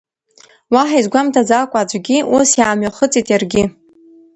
Уаҳа изгәамҭаӡакәа аӡәгьы, ус иаамҩахыҵит иаргьы.